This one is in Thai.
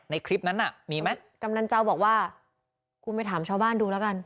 คลิปนั้นน่ะมีไหมกำนันเจ้าบอกว่าคุณไปถามชาวบ้านดูแล้วกัน